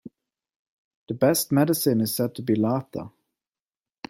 The best medicine is said to be laughter.